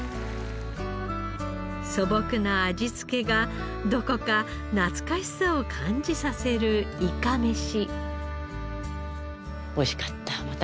素朴な味付けがどこか懐かしさを感じさせるいかめし。